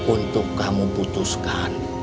untuk kamu putuskan